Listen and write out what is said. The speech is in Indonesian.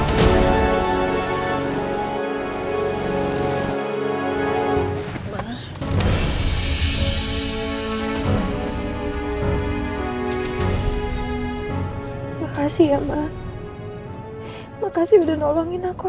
hai masih emas terima kasih udah nolongin aku